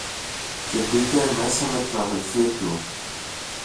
και μπήκε μέσα με την αδελφή του.